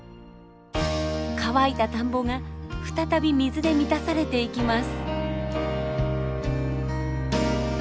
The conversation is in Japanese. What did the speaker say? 乾いた田んぼが再び水で満たされていきます。